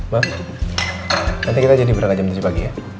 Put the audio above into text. bang nanti kita jadi berangkat jam tujuh pagi ya